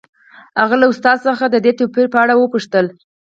هغه له استاد څخه د دې توپیر په اړه وپوښتل